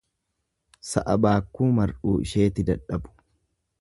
Sa'a baakkuu mar'uu isheeti dadhabu.